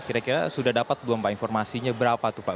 kira kira sudah dapat belum pak informasinya berapa tuh pak